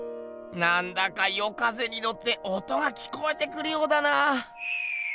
なんだか夜風にのって音が聞こえてくるようだな。